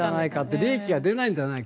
利益が出ないんじゃないか。